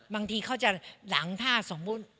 บางทีเขาจะหลังถ้าสมมุติ